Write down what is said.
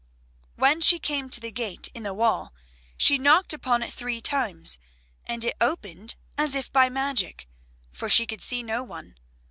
When she came to the gate in the wall she knocked upon it three times and it opened as if by magic, for she could see no one.